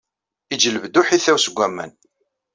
Ijelleb-d uḥitaw seg waman.